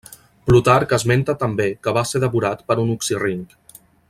Plutarc esmenta també que va ser devorat per un oxirrinc.